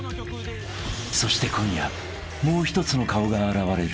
［そして今夜もう一つの顔が現れる］